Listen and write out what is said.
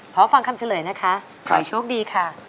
พร้อมฟังคำเฉลยนะคะ